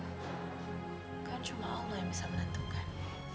bukan cuma allah yang bisa menentukan